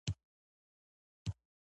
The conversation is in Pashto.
منفي فکر کول او د ناکامۍ وېره درلودل.